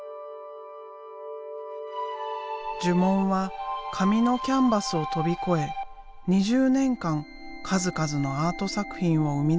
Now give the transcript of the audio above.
呪文は紙のキャンバスを飛び越え２０年間数々のアート作品を生み出してきた。